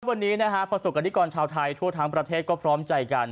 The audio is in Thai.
วันนี้นะฮะประสบกรณิกรชาวไทยทั่วทั้งประเทศก็พร้อมใจกัน